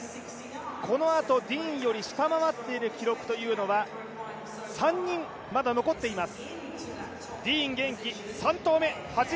このあと、ディーンより下回っている記録というのは３人まだ残っています。